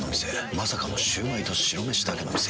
まさかのシュウマイと白めしだけの店。